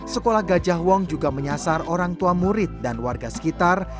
sekolah gajah wong juga menyasar orang tua murid dan warga sekitar